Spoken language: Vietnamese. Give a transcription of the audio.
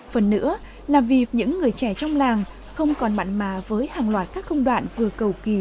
phần nữa là vì những người trẻ trong làng không còn mặn mà với hàng loạt các công đoạn vừa cầu kỳ